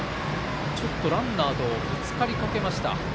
ちょっとランナーとぶつかりかけました。